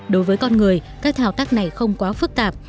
đối với con người các thao tác này không quá phức tạp